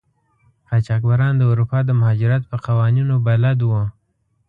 قاچاقبران د اروپا د مهاجرت په قوانینو بلد وو.